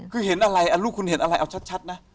คือเห็นอะไรลูกคุณเห็นอะไรเอาชัดนะ